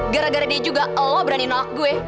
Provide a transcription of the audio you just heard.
gara gara dia juga oh berani nolak gue